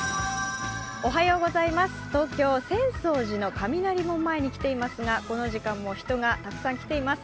東京・浅草寺の雷門前に来ていますがこの時間もう人がたくさん来ています。